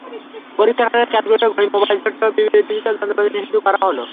পরীক্ষার হলে ক্যালকুলেটর, ঘড়ি, মোবাইল সেটসহ ডিজিটাল যন্ত্রপাতি নিষিদ্ধ করা হলো।